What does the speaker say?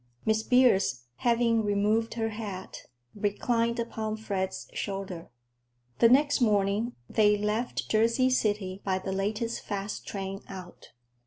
Miss Beers, having removed her hat, reclined upon Fred's shoulder. The next morning they left Jersey City by the latest fast train out.